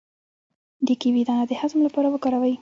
د کیوي دانه د هضم لپاره وکاروئ